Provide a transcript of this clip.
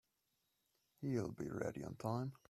He'll be ready on time.